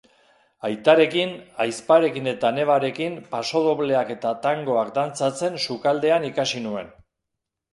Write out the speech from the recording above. Aitarekin, ahizparekin eta nebarekin pasodobleak eta tangoak dantzatzen sukaldean ikasi nuen.